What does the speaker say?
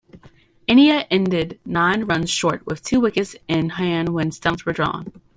India ended nine runs short with two wickets in hand when stumps were drawn.